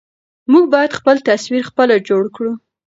موږ بايد خپل تصوير خپله جوړ کړو.